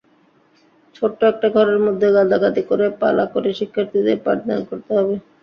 ছোট্ট একটা ঘরের মধ্যে গাদাগাদি করে পালা করে শিক্ষার্থীদের পাঠদান করতে হচ্ছে।